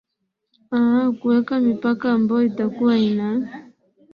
aah kuweka mipaka ambayo itakuwa ina